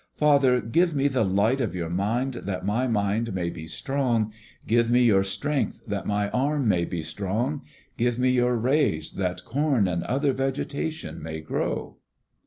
"Father, give me the light of your mind that my mind may be strong. Give me your strength, that my arm may be strong. Give me your rays, that corn and other vegetation may grow."